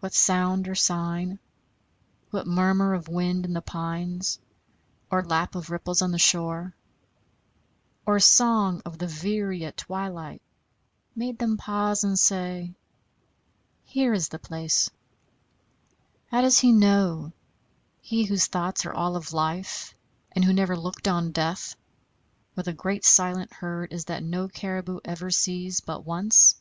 What sound or sign, what murmur of wind in the pines, or lap of ripples on the shore, or song of the veery at twilight made them pause and say, Here is the place? How does he know, he whose thoughts are all of life, and who never looked on death, where the great silent herd is that no caribou ever sees but once?